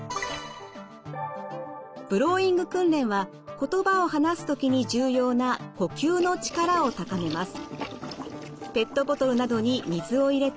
ブローイング訓練は言葉を話す時に重要な呼吸の力を高めます。